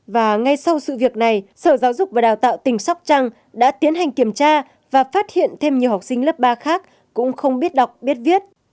và ngay sau sự việc này sở giáo dục và đào tạo tỉnh sóc trăng đã tiến hành kiểm tra và phát hiện thêm nhiều học sinh lớp ba khác cũng không biết đọc biết viết